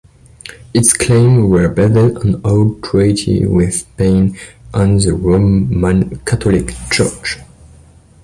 Its claims were based on old treaties with Spain and the Roman Catholic Church.